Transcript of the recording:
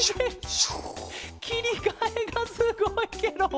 きりかえがすごいケロ。